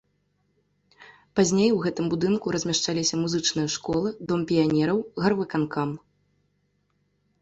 Пазней у гэтым будынку размяшчаліся музычная школа, дом піянераў, гарвыканкам.